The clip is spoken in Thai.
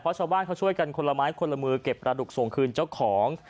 เพราะชาวบ้านเขาช่วยกันคนละไม้คนละมือเก็บกระดูกส่งคืนเจ้าของ